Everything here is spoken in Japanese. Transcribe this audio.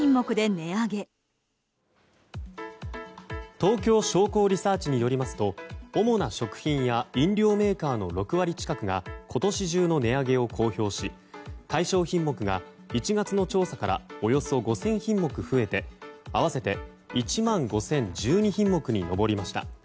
東京商工リサーチによりますと主な食品や飲料メーカーの６割近くが今年中の値上げを公表し対象品目が１月の調査からおよそ５０００品目増えて合わせて１万５０１２品目に上りました。